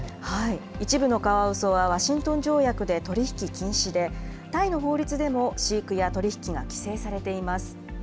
一部のカワウソはワシントン条約で取り引き禁止で、タイの法律でも飼育や取り引きが規制されています。